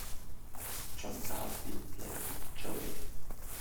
John Garfield played Joe.